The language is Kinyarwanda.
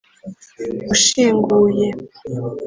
ushinguye